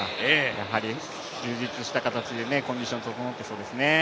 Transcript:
やはり充実した形でコンディション整っていそうですね。